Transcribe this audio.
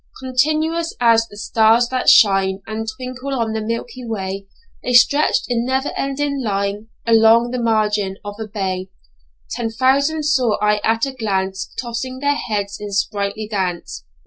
Continuous as the stars that shine And twinkle on the milky way, The stretched in never ending line Along the margin of a bay: Ten thousand saw I at a glance, Tossing their heads in sprightly dance.